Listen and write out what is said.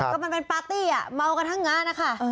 ก็มันเป็นปาร์ตี้เมากันทั้งงานนะคะ